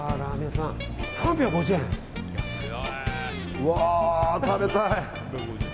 うわー、食べたい。